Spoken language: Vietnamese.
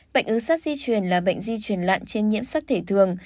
bệnh ứ sắt di chuyển là bệnh di chuyển lạn trên nhiễm sắt thể thường